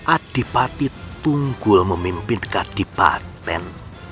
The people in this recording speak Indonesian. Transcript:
adipati tunggul memimpin kadipaten